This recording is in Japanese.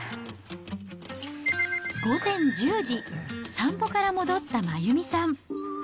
午前１０時、散歩から戻った真弓さん。